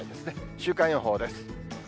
週間予報です。